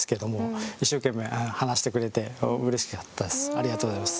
ありがとうございます。